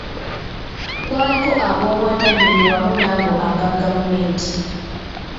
Kwaliko ag’obwannannyini wamu n’ago aga gavumenti.